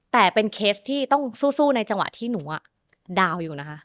แต่เป็นเคสที่ต้องสู้ในจังหวะที่หนูดาวน์อยู่นะคะ